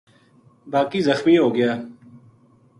باقی زخمی ہو گیا